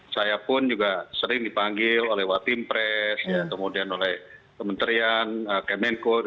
saya pun juga sering dipanggil oleh wattim press kemudian oleh kementerian kemenko